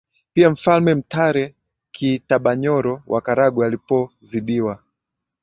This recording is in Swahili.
Pia mfalme ntare kiitabanyoro wa karagwe alipo zidiwa